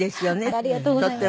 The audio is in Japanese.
ありがとうございます。